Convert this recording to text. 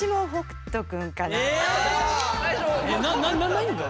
何が？